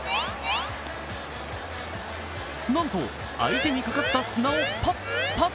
なんと、相手にかかった砂をパッパッ。